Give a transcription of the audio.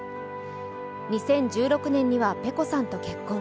２０１６年にはｐｅｃｏさんと結婚。